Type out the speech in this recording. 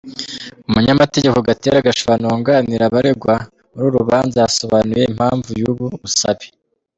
Umunyamategeko Gatera Gashabana, wunganira abaregwa muri uru rubanza, yasobanuye impamvu y’ubu busabe.